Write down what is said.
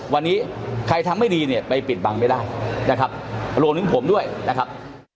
วันนี้ใครทำไม่ดีเนี่ยไปปิดบังไม่ได้นะครับรวมถึงผมด้วยนะครับ